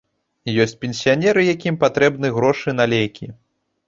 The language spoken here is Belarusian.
Ёсць пенсіянеры, якім патрэбны грошы на лекі.